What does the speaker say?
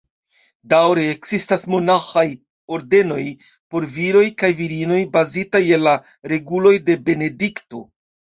Daŭre ekzistas monaĥaj ordenoj, por viroj kaj virinoj, bazitaj je la reguloj de Benedikto.